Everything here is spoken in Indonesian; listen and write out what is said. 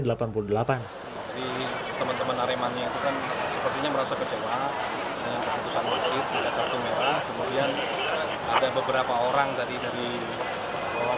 jadi teman teman aremanya itu kan sepertinya merasa kecewa dengan keputusan wasit